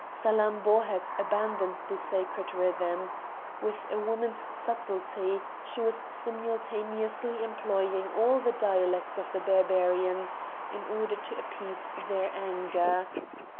Salammbô had abandoned the sacred rhythm. With a woman's subtlety she was simultaneously employing all the dialects of the Barbarians in order to appease their anger.